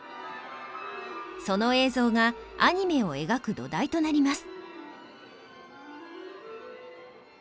その映像がアニメを描く土台となります。